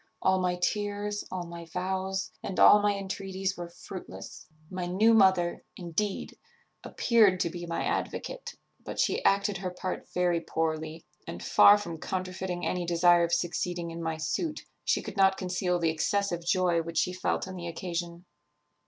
All my tears, all my vows, and all my entreaties were fruitless. My new mother, indeed, appeared to be my advocate; but she acted her part very poorly, and, far from counterfeiting any desire of succeeding in my suit, she could not conceal the excessive joy which she felt on the occasion.